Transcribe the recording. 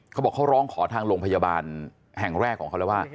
เขาบอกเขาร้องขอทางโรงพยาบาลแห่งแรกของเขาแล้วว่า